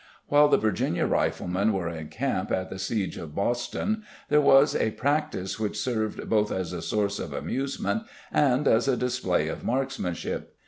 While the Virginia riflemen were in camp at the siege of Boston there was a practice which served both as a source of amusement and as a display of marksmanship.